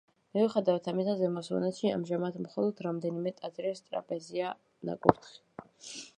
მიუხედავად ამისა, ზემო სვანეთში ამჟამად მხოლოდ რამდენიმე ტაძრის ტრაპეზია ნაკურთხი.